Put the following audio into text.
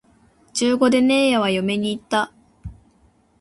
十五でねえやは嫁に行った